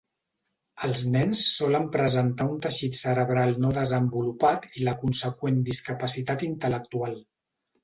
Els nens solen presentar un teixit cerebral no desenvolupat i la consegüent discapacitat intel·lectual.